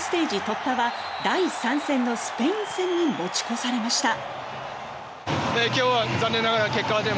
突破は第３戦のスペイン戦に持ち越されました。